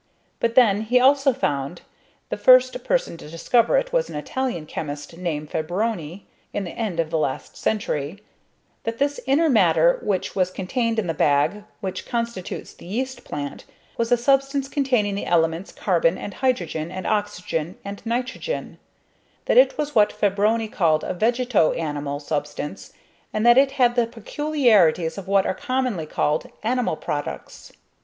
But then he also found (the first person to discover it was an Italian chemist, named Fabroni, in the end of the last century) that this inner matter which was contained in the bag, which constitutes the yeast plant, was a substance containing the elements carbon and hydrogen and oxygen and nitrogen; that it was what Fabroni called a vegeto animal substance, and that it had the peculiarities of what are commonly called "animal products."